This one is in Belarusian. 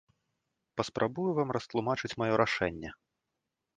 Паспрабую вам растлумачыць маё рашэнне.